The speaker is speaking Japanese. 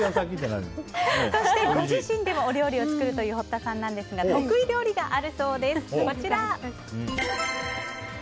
そしてご自身でもお料理を作るという堀田さんですが得意料理があるそうです。